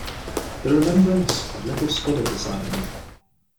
The remembrance of little Scudder decided me.